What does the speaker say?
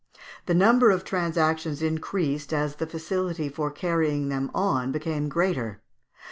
The number of transactions increased as the facility for carrying them on became greater.